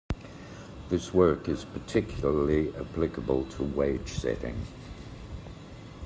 This work is particularly applicable to wage setting.